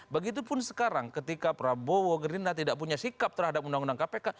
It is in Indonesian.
begitupun sekarang ketika prabowo gerinda tidak punya sikap terhadap undang undang kpk